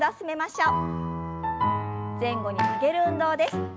前後に曲げる運動です。